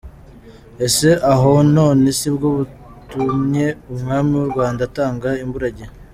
Ese aho none sibwo butumye Umwami w’u Rwanda atanga imburagihe?